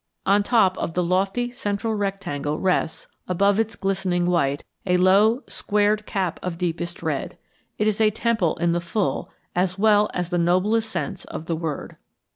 On top of the lofty central rectangle rests, above its glistening white, a low squared cap of deepest red. It is a temple in the full as well as the noblest sense of the word.